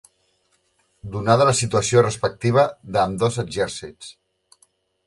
Donada la situació respectiva d'ambdós exèrcits.